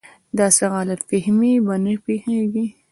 داسې غلط فهمي به نه پېښېږي.